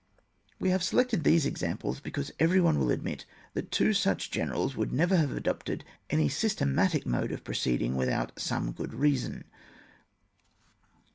We have selected these examples be cause every one will admit, that two such generals would never have adopted any systematic mode of proceeding with out some good reason.